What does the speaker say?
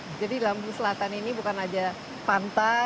jadi lampung selatan ini bukan aja pantai